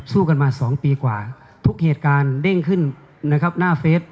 สู้กันมาสองปีกว่าทุกเหตุการณ์เด้งขึ้นหน้าเฟส